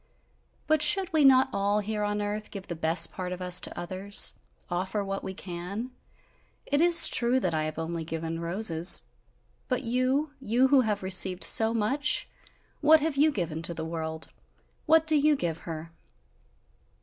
"But should we not all, here on earth, give the best part of us to others? Offer what we can! It is true, that I have only given roses but you? You who have received so much, what have you given to the world? What do you give her?"